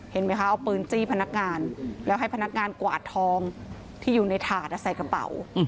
เห็นไหมคะเอาปืนจี้พนักงานแล้วให้พนักงานกวาดทองที่อยู่ในถาดใส่กระเป๋า